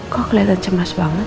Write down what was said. kok kelihatan cemas banget